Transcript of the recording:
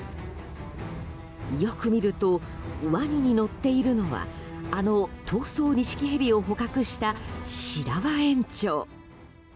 よく見るとワニに乗っているのはあの逃走ニシキヘビを捕獲した白輪園長。